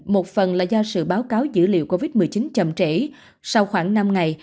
một phần là do sự báo cáo dữ liệu covid một mươi chín chậm trễ sau khoảng năm ngày